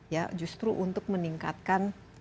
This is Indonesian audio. ya justru untuk meningkatkan